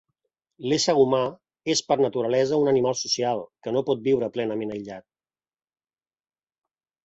L'ésser humà és per naturalesa un animal social, que no pot viure plenament aïllat.